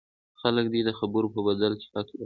خلک دې د خبرو په بدل کې حق واخلي.